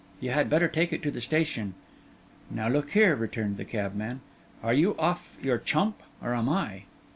You had better take it to the station.' 'Now look here,' returned the cabman: 'are you off your chump? or am I?